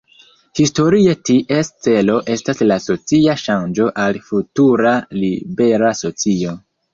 Historie ties celo estas la socia ŝanĝo al futura libera socio.